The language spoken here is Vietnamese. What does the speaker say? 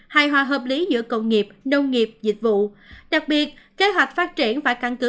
hài hòa hợp lý giữa công nghiệp nông nghiệp dịch vụ đặc biệt kế hoạch phát triển phải căn cứ